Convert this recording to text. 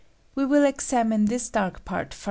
We will examine this dark part first.